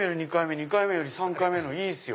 ２回目より３回目のいいですよ。